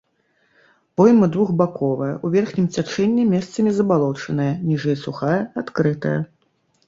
Пойма двухбаковая, у верхнім цячэнні месцамі забалочаная, ніжэй сухая, адкрытая.